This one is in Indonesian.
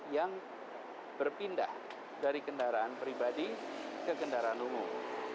yang berpindah dari kendaraan pribadi ke kendaraan umum